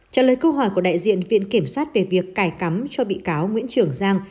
trả lời câu hỏi của đại diện viện kiểm sát về việc cải cắm cho bị cáo nguyễn trường giang